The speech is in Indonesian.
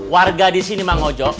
warga disini mang ojo